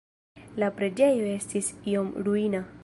La preĝejo estis iom ruina.